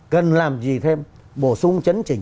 cần làm gì thêm bổ sung chấn chỉnh